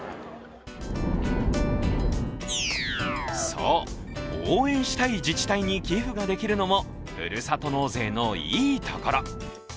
そう、応援したい自治体に寄付ができるのもふるさと納税のいいところ。